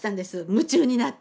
夢中になって。